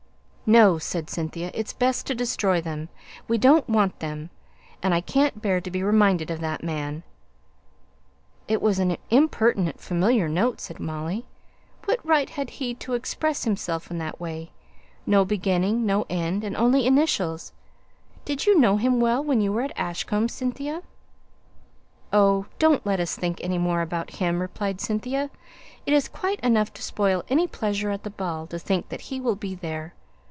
"No," said Cynthia; "it's best to destroy them. We don't want them; and I can't bear to be reminded of that man." "It was an impertinent familiar note," said Molly. "What right had he to express himself in that way no beginning, no end, and only initials! Did you know him well when you were at Ashcombe, Cynthia?" "Oh, don't let us think any more about him," replied Cynthia. "It is quite enough to spoil any pleasure at the ball to think that he will be there.